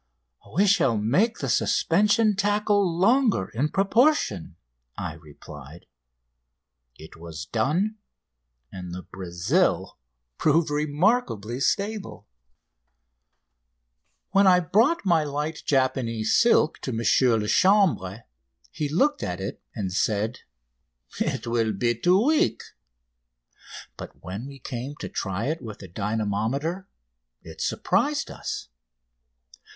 "We shall make the suspension tackle longer in proportion," I replied. It was done, and the "Brazil" proved remarkably stable. When I brought my light Japanese silk to M. Lachambre he looked at it and said: "It will be too weak." But when we came to try it with the dynamometer it surprised us.